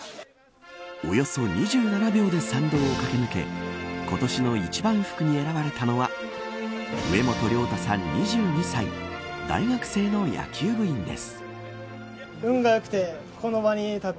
およそ２７秒で参道を駆け抜け今年の一番福に選ばれたのは植本亮太さん、２２歳大学生の野球部員です。